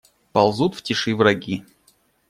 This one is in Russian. Ползут в тиши враги.